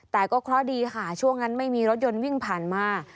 แต่ก็เคราะห์ดีค่ะช่วงนั้นไม่มีรถยนต์วิ่งผ่านมา